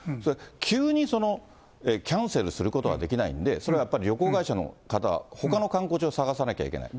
急に、キャンセルすることはできないんで、それはやっぱり旅行会社の方、ほかの観光地を探さなきゃいけない。